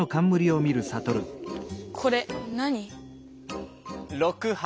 これ何？